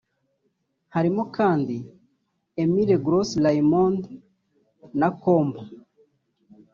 Harimo kandi Emile Gros Raymond Nakombo